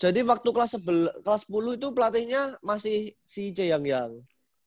jadi waktu kelas sepuluh itu pelatihnya masih si c yang yang